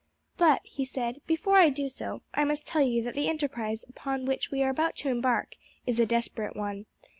But," he said, "before I do so, I must tell you that the enterprise upon which we are about to embark is a desperate one.